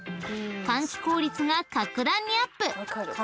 ［換気効率が格段にアップ］